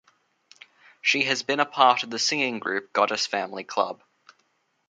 She has been part of the singing group Goddess Family Club.